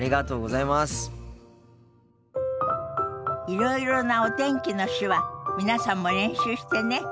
いろいろなお天気の手話皆さんも練習してね。